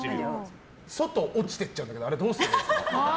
外に落ちていっちゃうんだけどあれはどうしたらいいですか？